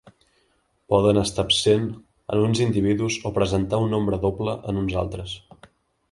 Poden estar absent en uns individus o presentar un nombre doble en uns altres.